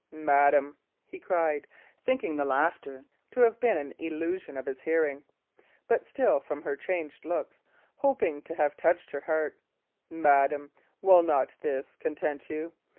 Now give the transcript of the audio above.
"Madam," he cried, thinking the laughter to have been an illusion of his hearing, but still, from her changed looks, hoping to have touched her heart, "madam, will not this content you?